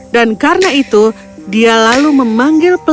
dan karena itu dia lalu memanggilnya